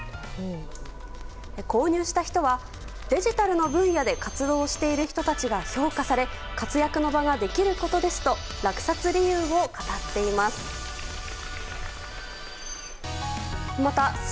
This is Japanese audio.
購入した人は、デジタルの分野で活動している人たちが評価され活躍の場ができることですと落札理由を語っています。